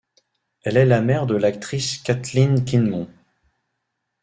Elle est la mère de l'actrice Kathleen Kinmont.